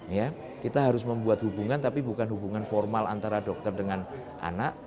ya kita harus membuat hubungan tapi bukan hubungan formal antara dokter dengan anak